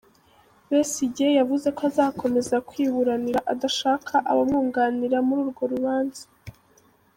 Besigye yavuze ko azakomeza kwiburanira adashaka abamwunganira muri urwo rubanza.